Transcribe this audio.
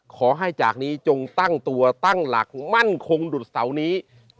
ขอให้จากนี้จงตั้งตัวตั้งหลักมั่นคงดุดเสานี้